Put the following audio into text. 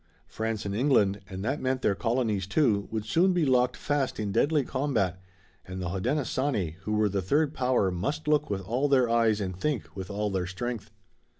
France and England, and that meant their colonies, too, would soon be locked fast in deadly combat, and the Hodenosaunee, who were the third power, must look with all their eyes and think with all their strength.